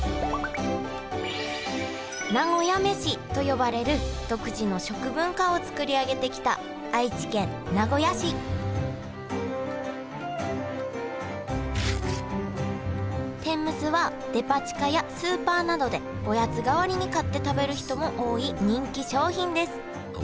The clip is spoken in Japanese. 「なごやめし」と呼ばれる独自の食文化をつくり上げてきた愛知県名古屋市天むすはデパ地下やスーパーなどでおやつ代わりに買って食べる人も多い人気商品ですあっ